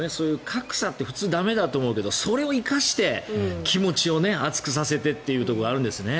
格差って普通、駄目だと思うけどそれを生かして気持ちを熱くさせてというところがあるんですね。